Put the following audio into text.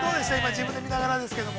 自分で見ながらですけども。